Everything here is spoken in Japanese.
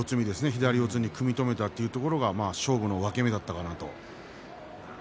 左四つに組み止めたというところが勝負の分け目でした。